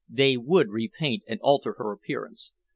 "They would repaint and alter her appearance.